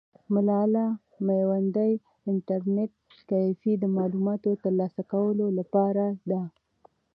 ملالۍ میوندي انټرنیټ کیفې د معلوماتو ترلاسه کولو لپاره ده.